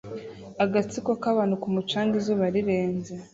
Agatsiko k'abantu ku mucanga izuba rirenze